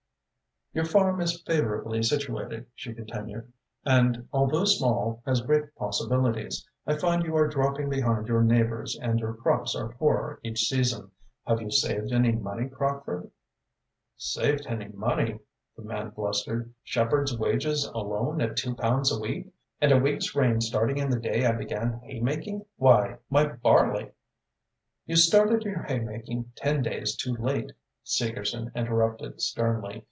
"Your farm is favourably situated," she continued, "and, although small, has great possibilities. I find you are dropping behind your neighbours and your crops are poorer each season. Have you saved any money, Crockford?" "Saved any money," the man blustered, "with shepherd's wages alone at two pounds a week, and a week's rain starting in the day I began hay making. Why, my barley " "You started your hay making ten days too late," Segerson interrupted sternly.